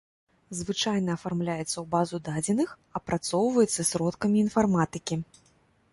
Звычайна афармляецца ў базу дадзеных, апрацоўваецца сродкамі інфарматыкі.